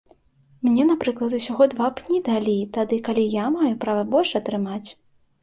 Мне, напрыклад, усяго два пні далі, тады калі я маю права больш атрымаць.